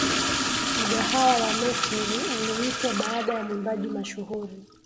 Mgahawa wa Mercury uliitwa baada ya mwimbaji mashuhuri